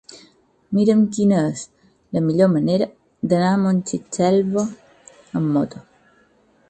Mira'm quina és la millor manera d'anar a Montitxelvo amb moto.